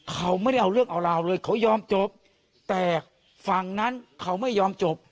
เขาไม่ได้เอาเรื่องเอาราวเลยเขายอมจบแต่ฝั่งนั้นเขาไม่ยอมจบ